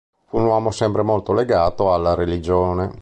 Fu un uomo sempre molto legato alla religione.